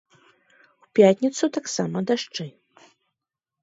У пятніцу таксама дажджы.